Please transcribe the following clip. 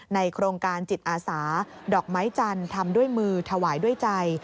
โครงการจิตอาสาดอกไม้จันทร์ทำด้วยมือถวายด้วยใจ